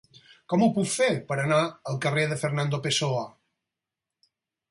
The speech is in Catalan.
Com ho puc fer per anar al carrer de Fernando Pessoa?